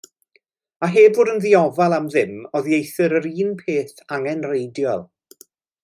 A heb fod yn ddiofal am ddim oddieithr yr un peth angenrheidiol.